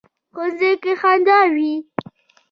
ښوونځی کې خندا وي